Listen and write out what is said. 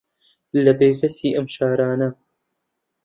لە بێکەسی ئەم شارانە